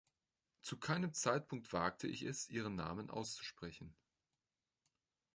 Zu keinem Zeitpunkt wagte ich es, ihren Namen auszusprechen.